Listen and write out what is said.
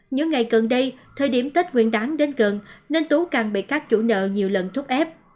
những ngày gần đây thời điểm tết quyện đáng đến gần nên tú càng bị các chủ nợ nhiều lần thúc ép